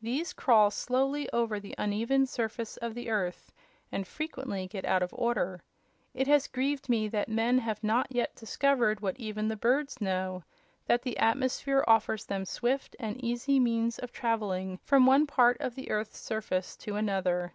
These crawl slowly over the uneven surface of the earth and frequently get out of order. It has grieved me that men have not yet discovered what even birds know: that the atmosphere offers them swift and easy means of traveling from one part of the earth's surface to another."